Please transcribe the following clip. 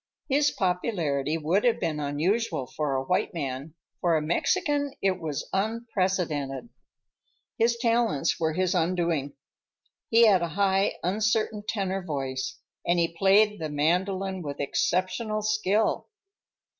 His popularity would have been unusual for a white man, for a Mexican it was unprecedented. His talents were his undoing. He had a high, uncertain tenor voice, and he played the mandolin with exceptional skill.